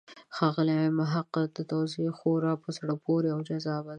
د ښاغلي محق توضیح خورا په زړه پورې او جذابه ده.